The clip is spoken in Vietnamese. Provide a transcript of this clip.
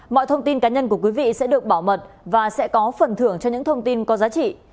mọi thông tin cá nhân của quý vị sẽ được bảo mật và sẽ có phần thưởng cho những thông tin có giá trị